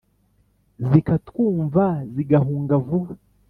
zikatwumva zigahunga vuba.